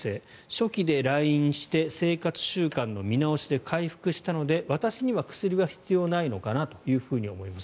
初期で来院して生活習慣の見直しで回復したので私には薬は必要ないのかなというふうに思います。